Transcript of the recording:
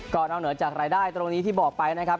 ก็นอกเหนือจากรายได้ตรงนี้ที่บอกไปนะครับ